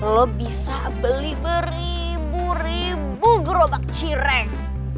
lo bisa beli beribu ribu gerobak cireng